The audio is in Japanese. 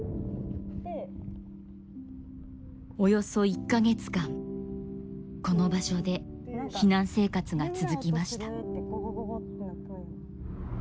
およそ１カ月間この場所で避難生活が続きました。